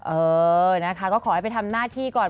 เออนะคะก็ขอให้ไปทำหน้าที่ก่อน